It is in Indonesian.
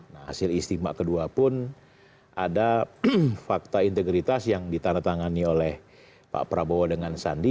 nah hasil istimewa kedua pun ada fakta integritas yang ditandatangani oleh pak prabowo dengan sandi